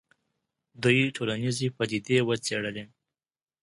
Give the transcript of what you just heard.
دوی ټولنیزې پدیدې وڅېړلې.